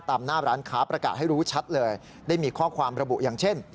หน้าร้านค้าประกาศให้รู้ชัดเลยได้มีข้อความระบุอย่างเช่น